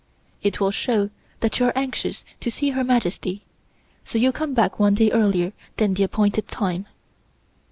It will show that you are anxious to see Her Majesty, so you come back one day earlier than the appointed time."